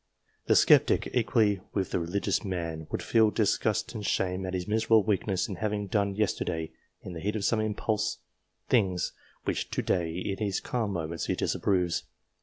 The sceptic, equally with the religious man, would feel disgust and shame at his miserable weakness in having done yesterday, in the heat of some impulse, things which to day, in his calm moments, he disapproves.